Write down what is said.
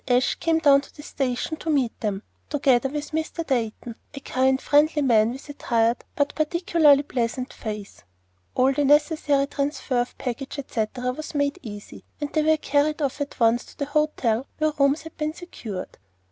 Ashe came down to the station to meet them, together with Mr. Dayton, a kind, friendly man with a tired but particularly pleasant face. All the necessary transfer of baggage, etc., was made easy, and they were carried off at once to the hotel where rooms had been secured.